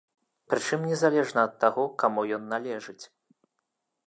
Прычым незалежна ад таго, каму ён належыць.